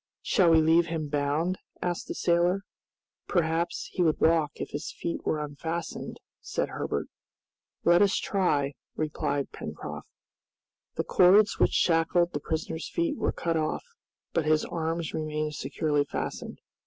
"Shall we leave him bound?" asked the sailor. "Perhaps he would walk if his feet were unfastened," said Herbert. "Let us try," replied Pencroft. The cords which shackled the prisoner's feet were cut off, but his arms remained securely fastened.